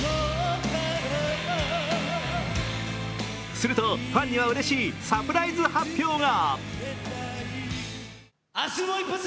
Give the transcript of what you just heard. するとファンにはうれしいサプライズ発表が。